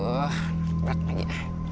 aduh berat lagi